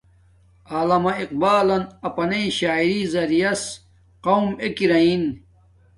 علامہ اقبالن اپنݵ شاعری زریعیاس قوم ایک ارین